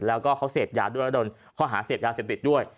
แล้วก็เขาเสพยาด้วยโดนข้อหาเสพยาเสพติดด้วย